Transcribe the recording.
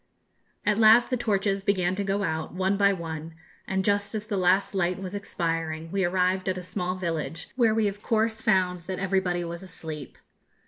At last the torches began to go out, one by one, and just as the last light was expiring we arrived at a small village, where we of course found that everybody was asleep.